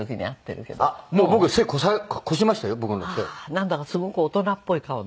なんだかすごく大人っぽい顔に。